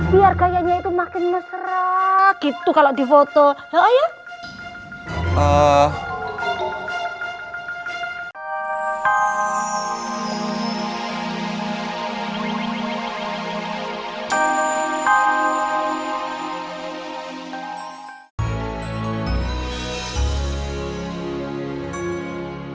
biar kayaknya itu makin mesra gitu kalau di foto ya ayo ah ah ah ah ah ah ah ah ah